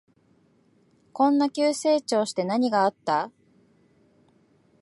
こんな急成長して何があった？